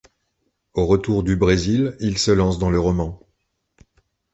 Au retour du Brésil, il se lance dans le roman.